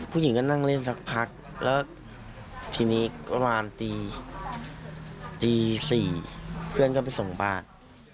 ผู้หญิงก็นั่งเล่นสักพักแล้วทีนี้ประมาณตี๔เพื่อนก็ไปส่งบ้าน